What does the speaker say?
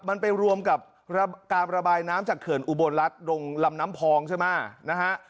มันไปรวมกับการระบายน้ำจากเขื่อนอุบลรัฐลงลำน้ำพองใช่ไหมนะฮะ